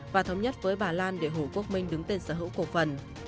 và thống nhất với bà lan để hồ quốc minh đứng tên sở hữu cổ phần